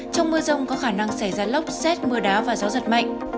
trong mưa rông có khả năng xảy ra lốc xét mưa đá và gió giật mạnh